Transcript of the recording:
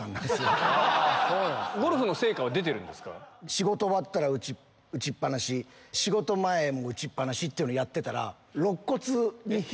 仕事終わったら打ちっ放し仕事前も打ちっ放しっていうのをやってたら。